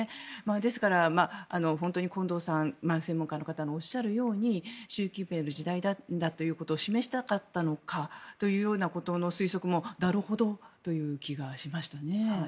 ですから、本当に近藤さん専門家の方のおっしゃるように習近平の時代なんだということを示したかったのかという推測もなるほどという気がしましたね。